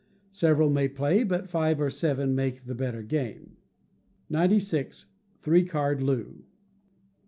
Several may play, but five or seven make the better game. 96. Three Card Loo.